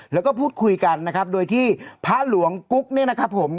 แล้วก็พูดคุยกันนะครับโดยที่พระหลวงกุ๊กเนี่ยนะครับผม